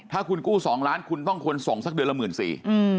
ถ้าคุณกู้สองล้านคุณต้องควรส่งสักเดือนละหมื่นสี่อืม